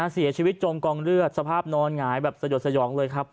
ศีรษะชีวิตจงกองเลือดสภาพนอนหงายแบบสยดสยองเลยครับ